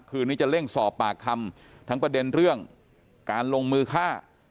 คืนนี้จะเร่งสอบปากคำทั้งประเด็นเรื่องการลงมือฆ่า